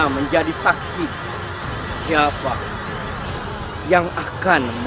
masuklah ke dalam